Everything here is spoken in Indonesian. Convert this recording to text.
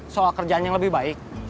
soal kerjaan yang lebih baik